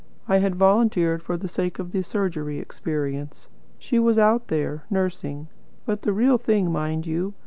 I had volunteered for the sake of the surgery experience. She was out there, nursing; but the real thing, mind you.